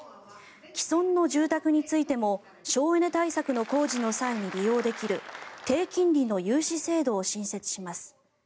既存の住宅についても省エネ対策の工事の際に利用できる低金利の融資制度を新設します。